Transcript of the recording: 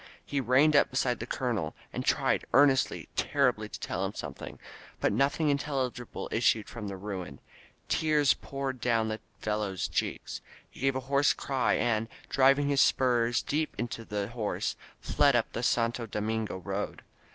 He reined up beside the colonel, and tried earnestly, terribly, to tell him something; but nothing intelligible issued from the ruin. Tears poured down the poor fellow's cheeks. He gave a hoarse cry, and, driving his spurs deep in his horse, fled up the Santo Domingo road.